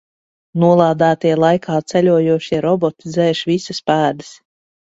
Nolādētie laikā ceļojošie roboti dzēš visas pēdas.